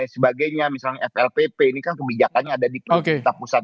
sebagainya misalnya flpp ini kan kebijakannya ada di pemerintah pusat